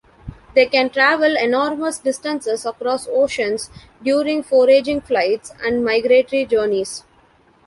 They can travel enormous distances across oceans during foraging flights and migratory journeys.